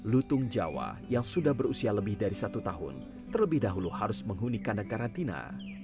lutung jawa yang sudah berusia lebih dari satu tahun terlebih dahulu harus menghuni kandang karantina